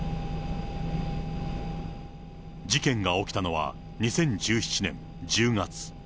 事件が起きたのは２０１７年１０月。